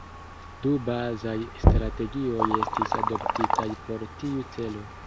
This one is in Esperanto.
Du bazaj strategioj estis adoptitaj por tiu celo.